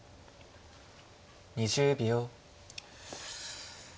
２０秒。